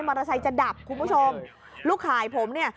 เตอร์ไซค์จะดับคุณผู้ชมลูกขายผมเนี่ย